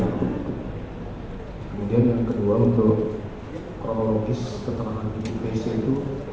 kemudian yang kedua untuk kronologis keterangan penyidik pc itu